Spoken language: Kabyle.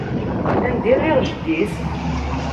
Anda i rriɣ jeddi-s?